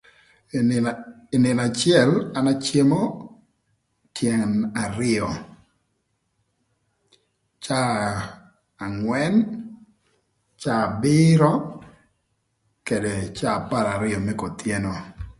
Ï nïnö acël an acemo tyën arïö, caa angwën, caa abïrö këdë caa apar arïö më kotyeno